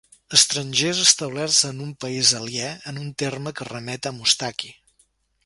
Estrangers establerts en un país aliè, en un terme que remet a Moustaki.